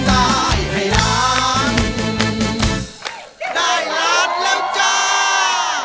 ได้ล้านแล้วจ้า